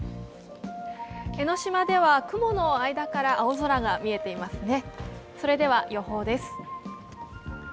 江ノ島では雲の間から青空が見えていますね。